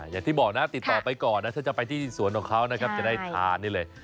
อย่างที่บอกนะติดต่อไปก่อนนะถ้าจะไปที่สวนของเขานะครับจะได้ทานนี่เลย